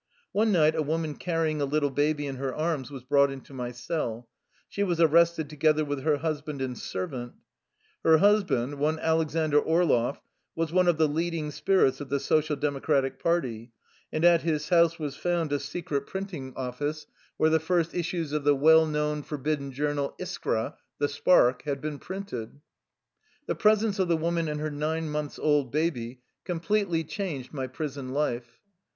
One night a woman carrying a little baby in her arms was brought into my cell. She was arrested, together with her husband and servant. Her husband, one Alexander Orloff, was one of the leading spirits of the Social Democratic Party, and at his house was found a secret print 71 THE LIFE STOEY OF A RUSSIAN EXILE ing office where the first issues of the well known, forbidden journal Ishra (The Spark) had been printed. The presence of the woman and her nine months old baby completely changed my prison life.